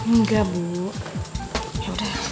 enggak bu yaudah ya udah